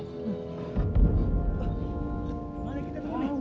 mana kita turun